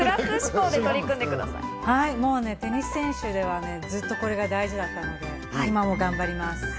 テニス選手ではずっとこれが大事だったので、今も頑張ります。